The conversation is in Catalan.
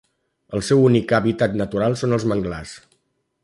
El seu únic hàbitat natural són els manglars.